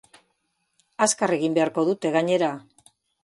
Azkar egin beharko dute, gainera.